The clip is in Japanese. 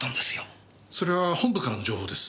それは本部からの情報です。